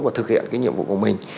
và thực hiện cái nhiệm vụ của mình